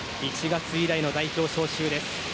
１月以来の代表招集です。